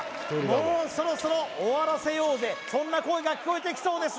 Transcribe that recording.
もうそろそろ終わらせようぜそんな声が聞こえてきそうです